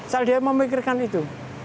saya lebih memikirkan itu